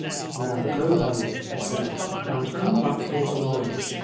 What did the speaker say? ' Now go home,' he said, c and come back here to morrow.